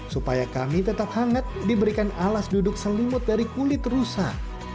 supaya kami tetap hangat diberikan alas duduk selimut dari kulit rusa